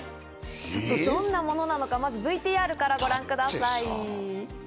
どんなものなのか、まずＶＴＲからご覧ください。